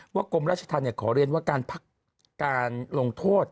กรมราชธรรมขอเรียนว่าการพักการลงโทษ